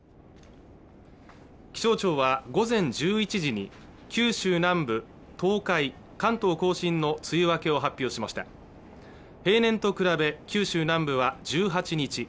気象庁は午前１１時に九州南部東海関東甲信の梅雨明けを発表しました平年と比べ九州南部は１８日